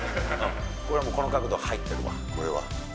これはもうこの角度入ってるは、これは。